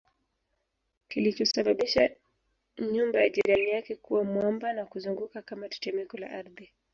kilichosababisha nyumba ya jirani yake kuwa mwamba na kuzunguka kama tetemeko la ardhi